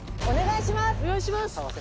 お願いします。